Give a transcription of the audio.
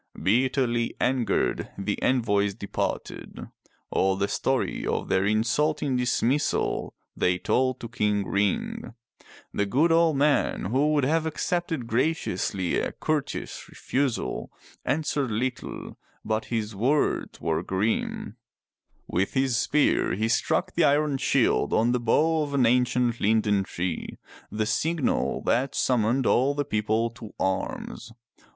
Bitterly angered, the envoys departed. All the story of their insulting dismissal they told to King Ring. The good old man, who would have accepted graciously a courteous refusal, answered little, but his words were grim. With his spear he struck the iron shield on the bough of an ancient linden tree, the signal that summoned all the people to arms.